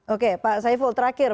oke pak saiful terakhir